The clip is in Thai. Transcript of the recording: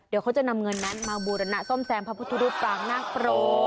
เดี๋ยวเขาจะนำเงินนั้นมาบูรณะซ่อมแซมพระพุทธรูปปางนาคโปร์